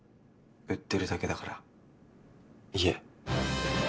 売ってるだけだから家。